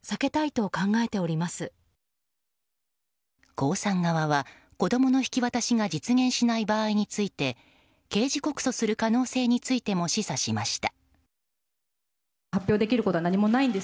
江さん側は、子供の引き渡しが実現しない場合について刑事告訴する可能性についても示唆しました。